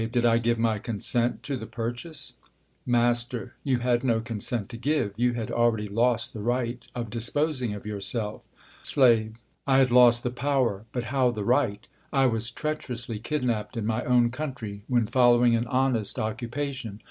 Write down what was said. Did I give my consent to the purchase ? Mast. You had no cotisent to give. You had al ready lost the right of disposing of yourself. S^ave. I had lost the power, but how the right ? I was treacherously kidnapped in my own country, when following an honest occupation.